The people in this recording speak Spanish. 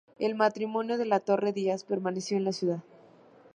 El matrimonio De la Torre-Díaz permaneció en la Ciudad.